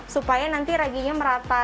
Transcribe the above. supaya nanti raginya merata